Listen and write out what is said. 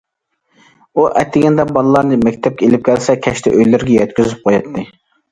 ئۇ ئەتىگەندە بالىلارنى مەكتەپكە ئېلىپ كەلسە، كەچتە ئۆيلىرىگە يەتكۈزۈپ قوياتتى.